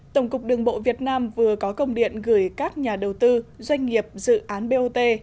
tổng cục đường bộ việt nam vừa có công điện gửi các nhà đầu tư doanh nghiệp dự án bot